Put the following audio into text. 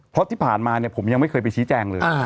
เพราะที่ผ่านมาเนี่ยผมยังไม่เคยไปชี้แจงเลย